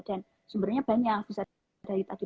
dan sumbernya banyak bisa dari